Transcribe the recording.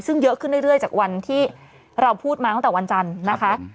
ซึ่งเยอะขึ้นเรื่อยจากวันที่เราพูดมาตั้งแต่วันจันทร์นะคะ